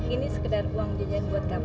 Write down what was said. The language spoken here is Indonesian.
ini sekedar uang jajan buat kamu